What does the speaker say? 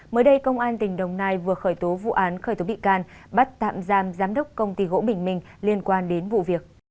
mới đây công an tỉnh đồng nai vừa khởi tố vụ án khởi tố bị can bắt tạm giam giám đốc công ty gỗ bình minh liên quan đến vụ việc